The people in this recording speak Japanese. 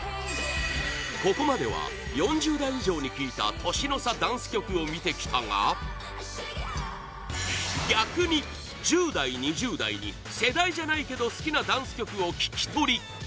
ここまでは４０代以上に聞いた年の差ダンス曲を見てきたが逆に１０代、２０代に世代じゃないけど好きなダンス曲を聞き取り！